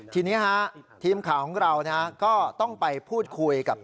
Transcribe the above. ทีนี้ทีมข่าวของเราก็ต้องไปพูดคุยกับ